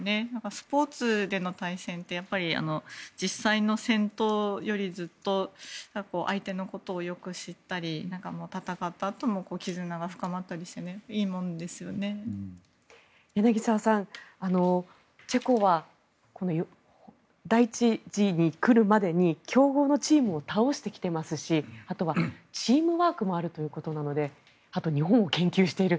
スポーツでの対戦って実際の戦闘よりずっと相手のことをよく知ったり戦ったあとも絆が深まったりして柳澤さんチェコは１次リーグに来るまでに強豪のチームを倒してきてますしあとはチームワークもあるのであと日本を研究している。